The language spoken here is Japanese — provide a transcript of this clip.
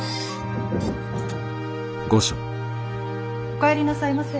お帰りなさいませ。